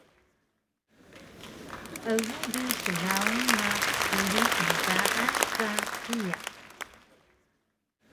Egu bi klaun na quri endaan ka hiya